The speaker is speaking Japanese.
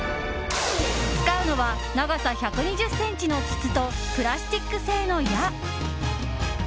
使うのは、長さ１２０ｃｍの筒とプラスチック製の矢。